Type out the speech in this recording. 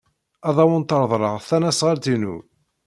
Ad awent-reḍleɣ tasnasɣalt-inu.